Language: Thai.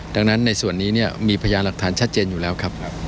ดังนั้นในส่วนนี้เนี่ยมีพยานหลักฐานชัดเจนอยู่แล้วครับ